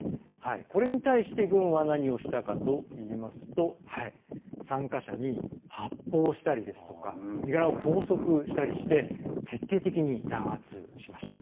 これに対して軍は何をしたかといいますと参加者に発砲したりですとか身柄を拘束したりして徹底的に弾圧しました。